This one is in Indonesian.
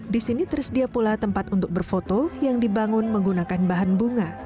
di sini tersedia pula tempat untuk berfoto yang dibangun menggunakan bahan bunga